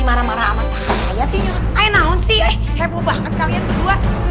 ayo naun sih hebo banget kalian berdua